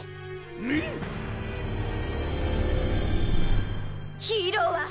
げっ⁉ヒーローは！